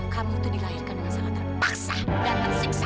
kamu itu dilahirkan dengan salah tanpa paksa dan tanpa siksa